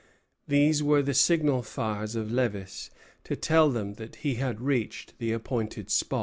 These were the signal fires of Lévis, to tell them that he had reached the appointed spot.